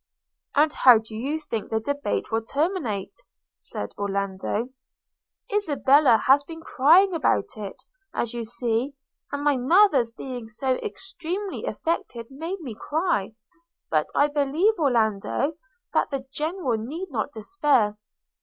'And how do you think the debate will terminate?' said Orlando. 'Isabella, has been crying about it, as you see; and my mother's being so extremely affected made me cry: but I believe, Orlando, that the General need not despair.